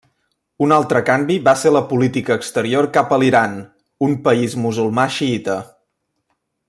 Un altre canvi va ser la política exterior cap a l'Iran, un país musulmà xiïta.